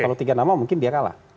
kalau tiga nama mungkin dia kalah